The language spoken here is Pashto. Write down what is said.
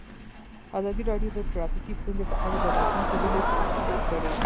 ازادي راډیو د ټرافیکي ستونزې په اړه د راتلونکي هیلې څرګندې کړې.